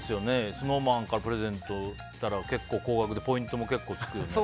ＳｎｏｗＭａｎからプレゼントきたら結構高額でポイントも結構つくよね。